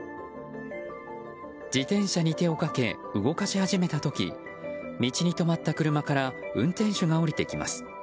自転車に手をかけ動かし始めた時道に止まった車から運転手が降りてきます。